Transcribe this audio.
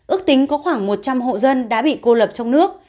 ước tính có khoảng một trăm linh hộ dân đã bị cô lập trong nước